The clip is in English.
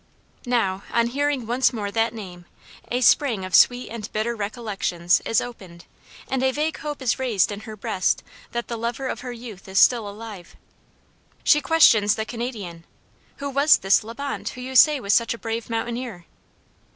Now, on hearing once more that name, a spring of sweet and bitter recollections is opened and a vague hope is raised in her breast that the lover of her youth is still alive. She questions the Canadian, "Who was this La Bonte who you say was such a brave mountaineer?"